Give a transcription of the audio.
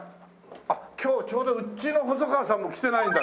あっ今日ちょうどうちの細川さんも来てないんだ。